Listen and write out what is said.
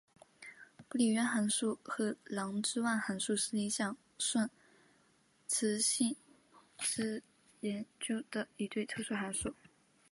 布里渊函数和郎之万函数是理想顺磁性材料研究中的一对特殊函数。